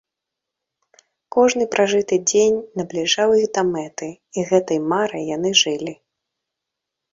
Кожны пражыты дзень набліжаў іх да мэты, і гэтай марай яны жылі.